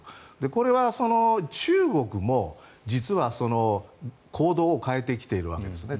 これは中国も実は行動を変えてきているわけですね。